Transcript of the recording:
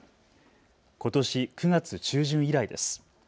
ことし９月中旬以来です。